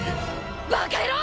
バカ野郎！